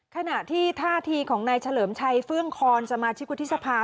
ขณะที่ท่าทีของนายเฉลิมชัยเฟื่องคอนสมาชิกวุฒิสภา